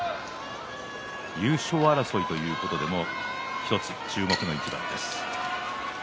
優勝争いということでも１つ注目の一番です。